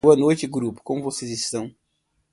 Boa noite grupo, como vocês estão?